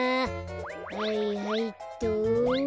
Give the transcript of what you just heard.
はいはいっと。